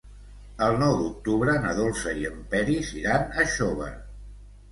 El nou d'octubre na Dolça i en Peris iran a Xóvar.